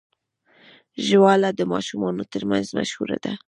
ژاوله د ماشومانو ترمنځ مشهوره ده.